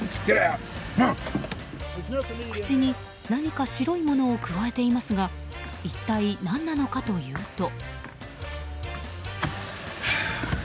口に何か白いものをくわえていますが一体何なのかというと。